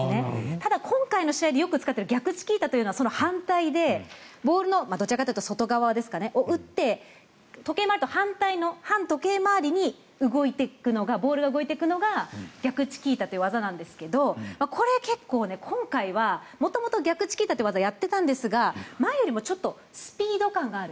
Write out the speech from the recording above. ただ、今回の試合でよく使っている逆チキータというのはその反対で、ボールのどちらかというと外側を打って時計回りと反対の反時計回りにボールが動いていくのが逆チキータという技なんですがこれ、結構今回は元々、逆チキータという技をやっていたんですが前よりもスピード感がある。